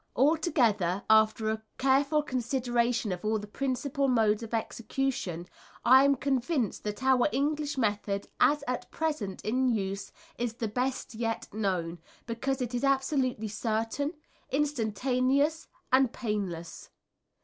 Altogether, after a careful consideration of all the principal modes of execution, I am convinced that our English method as at present in use is the best yet known, because it is absolutely certain, instantaneous and painless.